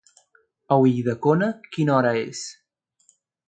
A Ulldecona quina hora és?